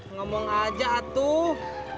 ngomong aja atuh